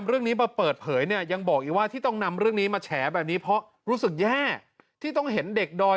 ครูเพชรรัตน์ที่นำเรื่องนี้มาเปิดเผยเนี่ย